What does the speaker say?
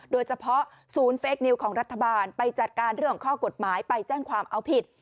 โดยเฉพาะศูนย์เฟคนิวของรัฐบาลไปจัดการเรื่องของข้อกฎหมายไปแจ้งความเอาผิด